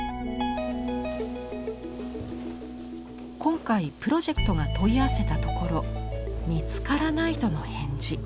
今回プロジェクトが問い合わせたところ見つからないとの返事。